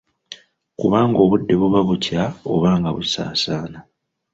Kubanga obudde buba bukya oba nga busaasaana.